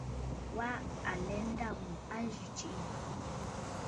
Wa alɛ nda ŋû aa a zi tsiʼì yù.